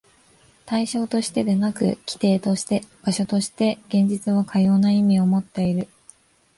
対象としてでなく、基底として、場所として、現実はかような意味をもっている。